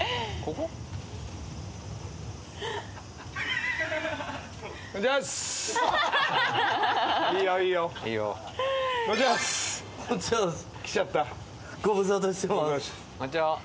こんちは。